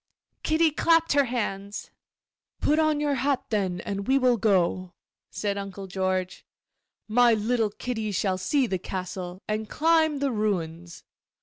Kitty clapped her hands. 'Put on your hat, then, and we will go,' said Uncle George. 'My little Kitty shall see the castle, and climb the ruins.